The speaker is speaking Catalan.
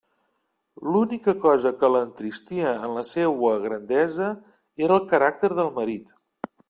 L'única cosa que l'entristia en la seua grandesa era el caràcter del marit.